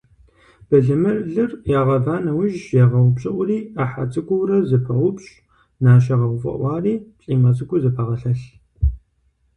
Былымылыр ягъэва нэужь, ягъэупщӀыӀури, Ӏыхьэ цӀыкӀуурэ зэпаупщӀ, нащэ гъэфӀэӀуари плӀимэ цӀыкӀуу зэпагъэлъэлъ.